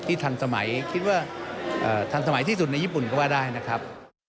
ทันสมัยคิดว่าทันสมัยที่สุดในญี่ปุ่นก็ว่าได้นะครับ